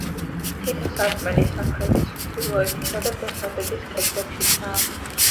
თითო სარკმელი სამხრეთის, ჩრდილოეთისა და დასავლეთის კედლებშიცაა.